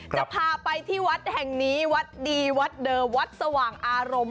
จะพาไปที่วัดแห่งนี้วัดดีวัดเดิมวัดสว่างอารมณ์